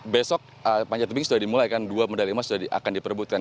besok panjat tebing sudah dimulai kan dua medali emas sudah akan diperbutkan